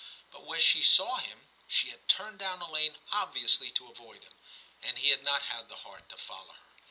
But when she saw him, she had turned down a lane obviously to avoid him, and he had not had the heart to follow her.'